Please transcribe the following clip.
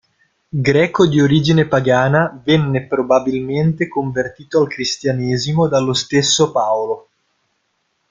Greco di origine pagana, venne probabilmente convertito al cristianesimo dallo stesso Paolo.